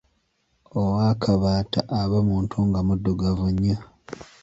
Owakabaata aba muntu nga muddugavu nnyo.